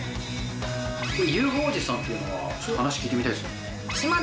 ＵＦＯおじさんっていうのは、話聞いてみたいですね。